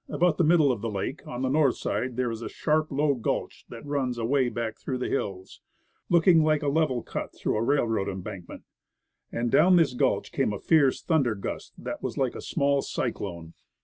About the middle of the lake, on the north side, there is a sharp, low gulch that runs away back through the hills, looking like a level cut through a railroad embankment. And down this gulch came a fierce thunder gust that was like a small cyclone.